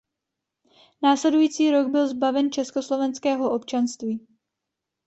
Následující rok byl zbaven československého občanství.